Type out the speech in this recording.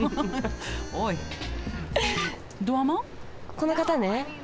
この方ね。